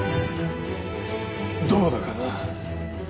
どうだかな。